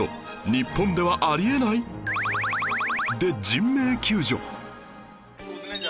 日本ではあり得ないで人命救助